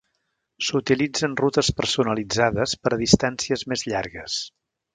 S'utilitzen rutes personalitzades per a distàncies més llargues.